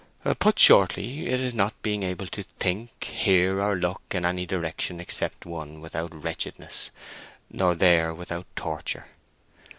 "Put shortly, it is not being able to think, hear, or look in any direction except one without wretchedness, nor there without torture."